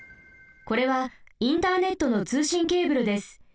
これはインターネットのつうしんケーブルです。